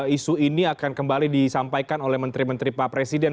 isu ini akan kembali disampaikan oleh menteri menteri pak presiden